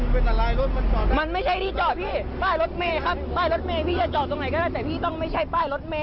ป้ายรถเมพี่จะจอดไหนก็ได้แต่พี่ต้องไม่ใช่ป้ายรถเม